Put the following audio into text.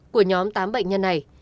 của nhóm tám bệnh nhân này